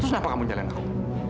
terus kenapa kamu nyalahin aku